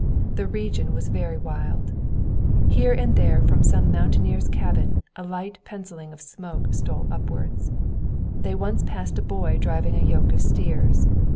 The region was very wild. Here and there from some mountaineer's cabin a light penciling of smoke stole upward. They once passed a boy driving a yoke of steers.